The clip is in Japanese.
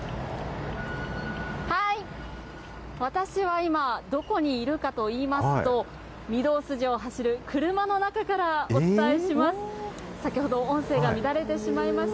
私は今、どこにいるかといいますと、御堂筋を走る車の中からお伝えします。